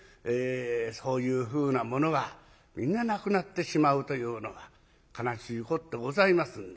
そういうふうなものはみんななくなってしまうというのは悲しいこってございますんで。